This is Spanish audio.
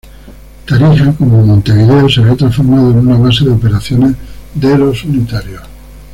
Tarija, como Montevideo, se había transformado en una base de operaciones de los unitarios.